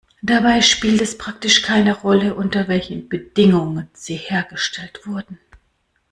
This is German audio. Dabei spielt es praktisch keine Rolle, unter welchen Bedingungen sie hergestellt wurden.